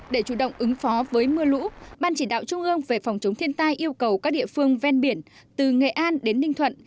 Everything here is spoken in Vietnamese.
để chủ động ứng phó với mưa lũ ban chỉ đạo trung ương về phòng chống thiên tai yêu cầu các địa phương ven biển từ nghệ an đến ninh thuận